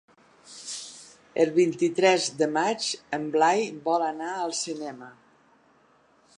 El vint-i-tres de maig en Blai vol anar al cinema.